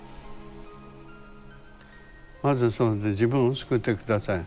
まず自分を救って下さい。